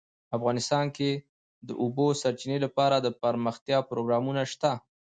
افغانستان کې د د اوبو سرچینې لپاره دپرمختیا پروګرامونه شته.